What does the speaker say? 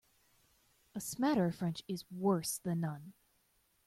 A smatter of French is worse than none.